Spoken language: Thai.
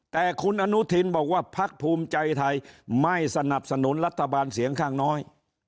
แต่คุณอนุทินบอกว่าพักภูมิใจไทยไม่สนับสนุนรัฐบาลเสียงข้างน้อย